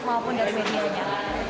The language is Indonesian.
liput maupun dari medianya